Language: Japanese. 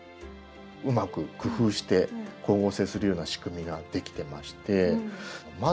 うまく工夫して光合成するような仕組みができてまして「窓」